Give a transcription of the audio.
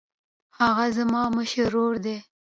هغه زما مشر ورور دی